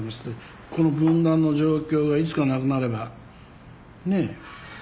この分断の状況がいつかなくなればね